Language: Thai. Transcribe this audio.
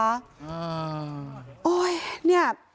อ่า